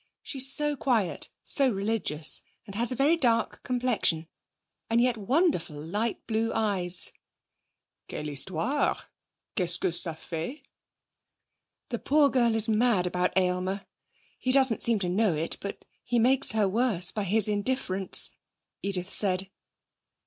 She's so quiet, so religious, and has a very dark complexion. And yet wonderful light blue eyes.' 'Quelle histoire! Qu'est ce que ça fait?' 'The poor girl is mad about Aylmer. He doesn't seem to know it, but he makes her worse by his indifference,' Edith said.